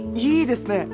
いいですね！